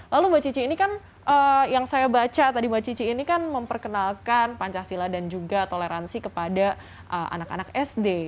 lalu mbak cici ini kan yang saya baca tadi mbak cici ini kan memperkenalkan pancasila dan juga toleransi kepada anak anak sd